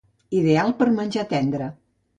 Ideal per menjar tendre.